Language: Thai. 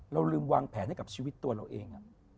เราลืมวางแผนให้กับชีวิตตัวเราเอง